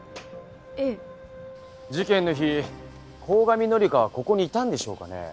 事件の日鴻上紀香はここにいたんでしょうかね？